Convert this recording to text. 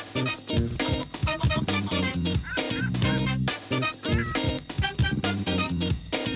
โปรดติดตามตอนต่อไป